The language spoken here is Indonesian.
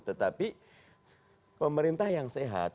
tetapi pemerintah yang sehat